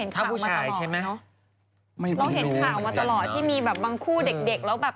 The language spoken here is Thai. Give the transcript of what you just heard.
ที่มีบางคู่เด็กแล้วแบบ